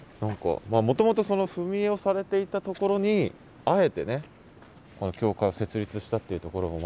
もともとその踏み絵をされていたところにあえてねこの教会を設立したっていうところもまた熊本の。